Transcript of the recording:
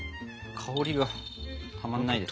香りがたまんないです。